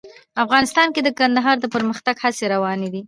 افغانستان کې د کندهار د پرمختګ هڅې روانې دي.